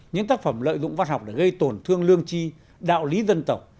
những tác phẩm lợi dụng văn học để gây tổn thương lương chi đạo lý dân tộc